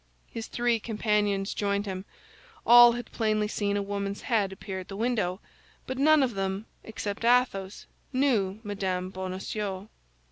His three companions joined him. All had plainly seen a woman's head appear at the window, but none of them, except Athos, knew Mme. Bonacieux.